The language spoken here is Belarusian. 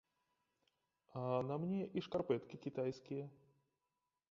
А на мне і шкарпэткі кітайскія.